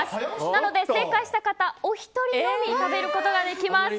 なので正解したお一人のみ食べることができます。